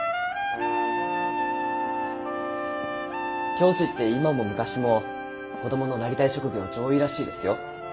教師って今も昔も子どものなりたい職業上位らしいですよ。